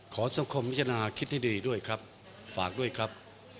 ขอสัมภาษามิญญาณคิดให้ดีด้วยครับฝากด้วยครับ